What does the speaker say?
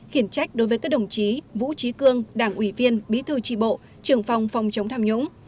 khiển trách đối với các đồng chí vũ trí cương đảng ủy viên bí thư tri bộ trưởng phòng phòng chống tham nhũng